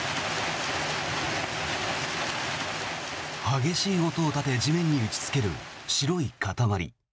激しい音を立て地面に打ちつける白い塊。